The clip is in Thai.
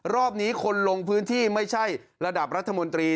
รอบนี้คนลงพื้นที่ไม่ใช่ระดับรัฐมนตรี